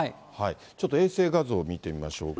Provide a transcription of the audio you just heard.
ちょっと衛星画像を見てみましょうか。